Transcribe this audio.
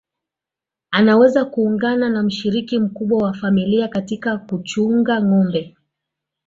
Anaweza kuungana na mshiriki mkubwa wa familia katika kuchunga ngombe